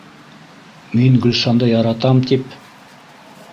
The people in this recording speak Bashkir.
— Мин Гөлшанды яратам, тип